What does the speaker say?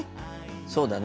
そうだね。